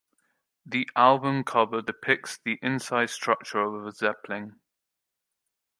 The album cover depicts the inside structure of a zeppelin.